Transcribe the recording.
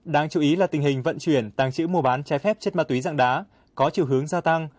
đáng chú ý là tình hình vận chuyển tàng trữ mua bán trái phép chất ma túy dạng đá có chiều hướng gia tăng